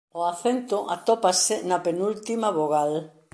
O acento atópase na penúltima vogal.